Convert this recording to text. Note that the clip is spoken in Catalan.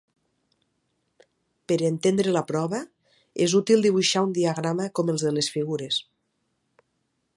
Per entendre la prova, és útil dibuixar un diagrama com els de les figures.